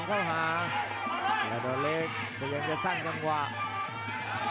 นี่ครับหัวมาเจอแบบนี้เลยครับวงในของพาราดอลเล็กครับ